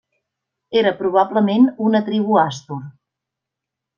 Era probablement una tribu àstur.